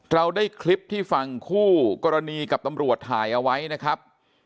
เราได้คลิปที่ฝั่งคู่กรณีกับตำรวจถ่ายเอาไว้นะครับ